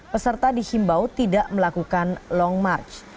peserta dihimbau tidak melakukan long march